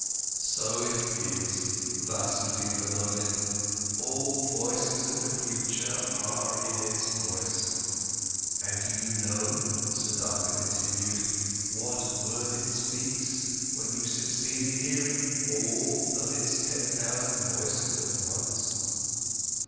"So it is," Vasudeva nodded, "all voices of the creatures are in its voice." "And do you know," Siddhartha continued, "what word it speaks, when you succeed in hearing all of its ten thousand voices at once?"